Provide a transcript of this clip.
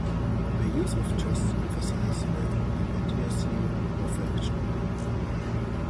The use of "just" emphasizes the immediacy of the action.